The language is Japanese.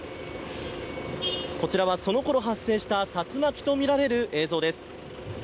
こちらはそのころ発生した竜巻と見られる映像です。